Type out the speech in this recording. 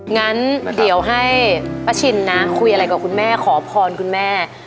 งั้นเดี๋ยวให้ป้าชินนะคุยอะไรกับคุณแม่ขอพรคุณแม่